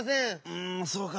うんそうか。